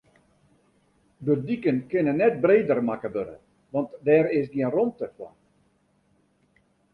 De diken kinne net breder makke wurde, want dêr is gjin rûmte foar.